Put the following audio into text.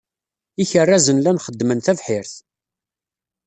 Ikerrazen llan xeddmen tabḥirt.